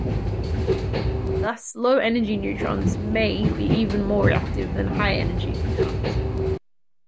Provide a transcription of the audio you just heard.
Thus low-energy neutrons "may" be even more reactive than high energy neutrons.